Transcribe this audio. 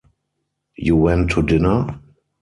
You went to dinner?